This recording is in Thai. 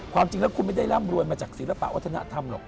ความจริงแล้วคุณไม่ได้ร่ำรวยมาจากศิลปะวัฒนธรรมหรอก